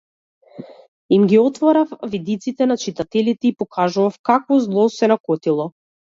Им ги отворав видиците на читателите и покажував какво зло се накотило.